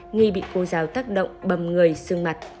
nghi bị cô giáo tác động bầm người xương mặt